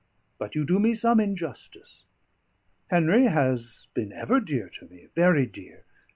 "But you do me some injustice. Henry has been ever dear to me, very dear.